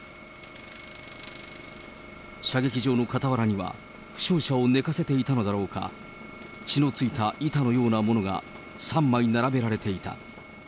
射撃場の傍らには、負傷者を寝かせていたのだろうか、血のついた板のようなものが３枚並べられていた。